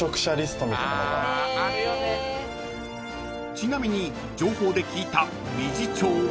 ［ちなみに情報で聞いた理事長は］